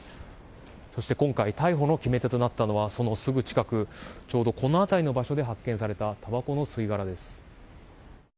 そして今回逮捕の決め手となったのはそのすぐ近くちょうどこの辺りで発見されたたばこの吸い殻です。